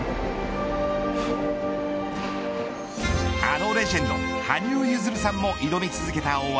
あのレジェンド羽生結弦さんも挑み続けた大技。